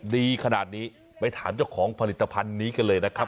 ดีขนาดนี้ไปถามเจ้าของผลิตภัณฑ์นี้กันเลยนะครับ